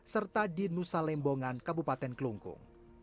serta di nusa lembongan kabupaten kelungkung